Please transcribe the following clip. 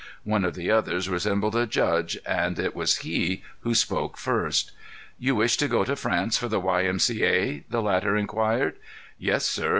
One of the others resembled a judge, and he it was who spoke first. "You wish to go to France for the Y. M. C. A.?" the latter inquired. "Yes, sir.